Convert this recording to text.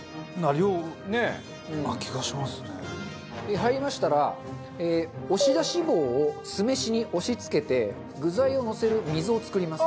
入りましたら押し出し棒を酢飯に押し付けて具材をのせる溝を作ります。